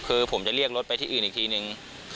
คือผมจะเรียกรถไปที่อื่นอีกทีนึง